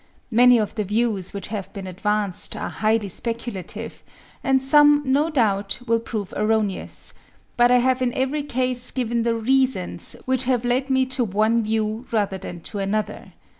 Many of the views which have been advanced are highly speculative, and some no doubt will prove erroneous; but I have in every case given the reasons which have led me to one view rather than to another.